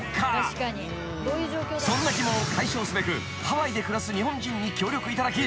［そんな疑問を解消すべくハワイで暮らす日本人に協力いただき